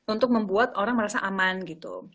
untuk membuat orang merasa aman gitu